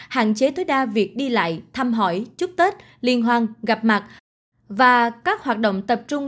hạn chế tối đa việc đi lại thăm hỏi chúc tết liên hoan gặp mặt và các hoạt động tập trung